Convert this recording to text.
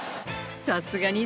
さすがに。